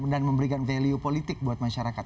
dan memberikan value politik buat masyarakat